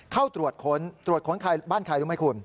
เข้าตรวจค้นตรวจค้นใครบ้านใครรู้ไหมคุณ